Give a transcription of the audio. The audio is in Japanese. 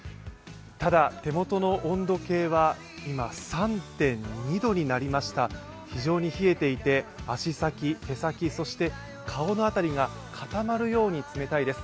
ただ、手元の温度計は今、３．２度になりました、非常に冷えていて足先、手先、そして顔のあたりが固まるように冷たいです。